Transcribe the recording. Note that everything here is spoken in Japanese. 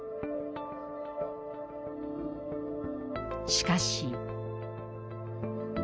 しかし。